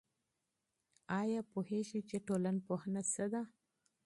آيا پوهېږئ چي ټولنپوهنه څه ده؟